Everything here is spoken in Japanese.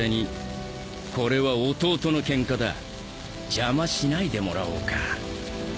邪魔しないでもらおうか。